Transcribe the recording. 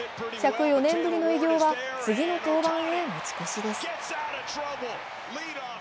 １０４年ぶりの偉業は次の登板へ持ち越しです。